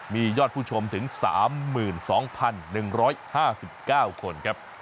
มียอดผู้ชมถึง๓๒๑๕๙คนครับ